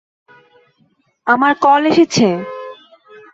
আমার কল এসেছে।